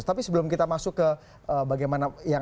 tapi sebelum kita masuk ke bagaimana yang